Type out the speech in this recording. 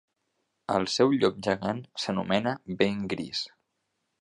El seu llop gegant s'anomena Vent Gris.